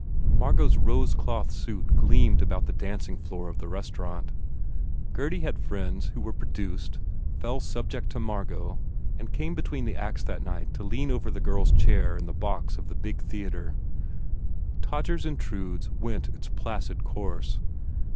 Margot s rose cloth suit gleamed about 226 BUBBLE the dancing floor of the restaurant. Gurdy had friends who were produced, fell subject to Mar got and came between the acts that night to lean over the girl s chair in the box of the big theatre. "Todgers Intrudes" went its placid course.